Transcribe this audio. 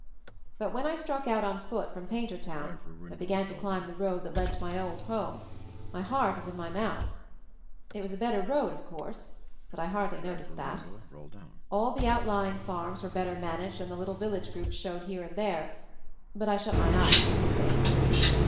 But when I struck out, on foot, from Paintertown, and began to climb the road that led to my old home, my heart was in my mouth. It was a better road, of course — but I hardly noticed that. All the outly ing farms were better managed and the little village groups showed here and there — but I shut my eyes to these things.